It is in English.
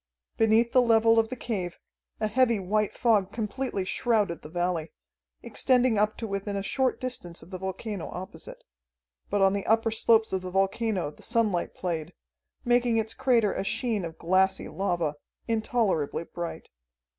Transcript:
Beneath the level of the cave a heavy white fog completely shrouded the valley, extending up to within a short distance of the volcano opposite. But on the upper slopes of the volcano the sunlight played, making its crater a sheen of glassy lava, intolerably bright.